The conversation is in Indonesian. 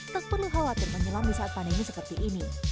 tak perlu khawatir menyelam di saat pandemi seperti ini